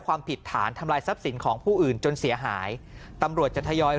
ความผิดฐานทำลายทรัพย์สินของผู้อื่นจนเสียหายตำรวจจะทยอย